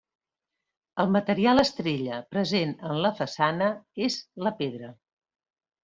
El material estrella present en la façana és la pedra.